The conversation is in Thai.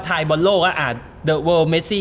ไทยบอลโลกอะอ่าเดอะเวิร์ลเมซี่